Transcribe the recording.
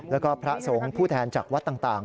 และก็พระทรงผู้แทนจากวัดต่าง